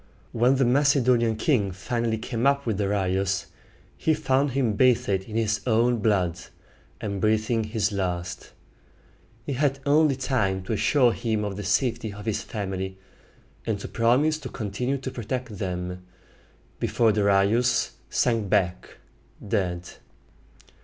When the Macedonian king finally came up with Darius, he found him bathed in his own blood, and breathing his last. He had only time to assure him of the safety of his family, and to promise to continue to protect them, before Darius sank back dead.